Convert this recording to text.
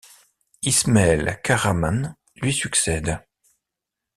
İsmail Kahraman lui succède.